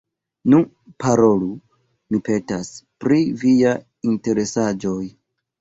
Nu, parolu, mi petas, pri viaj interesaĵoj.